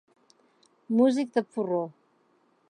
Músic de porró.